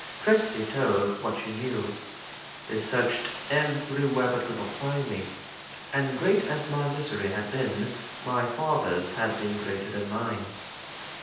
Kirsty told what she knew. They searched everywhere, but could not find me; and great as my misery had been, my father's had been greater than mine.